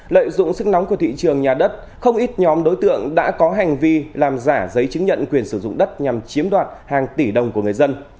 lợi dụng sức nóng của thị trường nhà đất không ít nhóm đối tượng đã có hành vi làm giả giấy chứng nhận quyền sử dụng đất nhằm chiếm đoạt hàng tỷ đồng của người dân